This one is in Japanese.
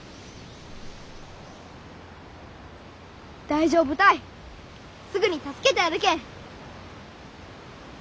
大丈夫たいすぐに助けてやるけん。